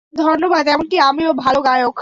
ধন্যবাদ, - এমনকি আমিও ভালো গায়ক।